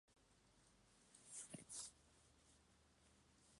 Es duro mirar a la Desconocida a la cara, hace falta mucho coraje.